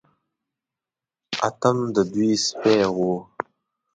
اتم د دوی سپی و.